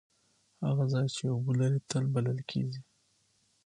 هغه ځای چې اوبه لري تل بلل کیږي.